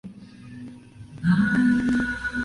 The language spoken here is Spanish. Presenta un parche rojizo rufo sobre cada una de las alas.